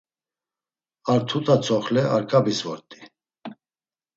Ar tuta tzoxle Arkabis vort̆i.